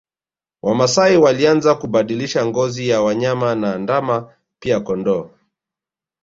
Wamasai walianza kubadilisha ngozi ya wanyama na ndama pia kondoo